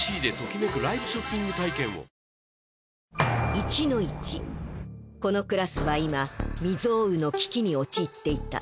１−１このクラスは今未曽有の危機に陥っていた。